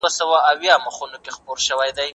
نغرى پر درو پښو درېږي.